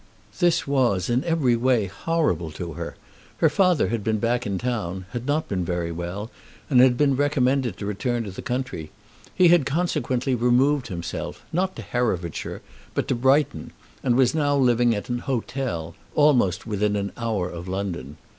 This was in every way horrible to her. Her father had been back in town, had not been very well, and had been recommended to return to the country. He had consequently removed himself, not to Herefordshire, but to Brighton, and was now living at an hotel, almost within an hour of London.